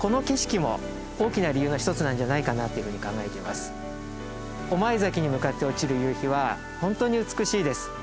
一体御前崎に向かって落ちる夕日はほんとに美しいです。